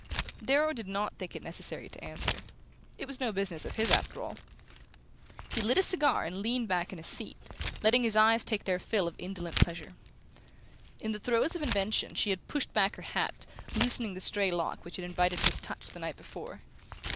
Darrow did not think it necessary to answer. It was no business of his, after all. He lit a cigar and leaned back in his seat, letting his eyes take their fill of indolent pleasure. In the throes of invention she had pushed back her hat, loosening the stray lock which had invited his touch the night before.